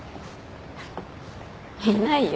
いないよ